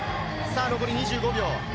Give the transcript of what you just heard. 残り２５秒。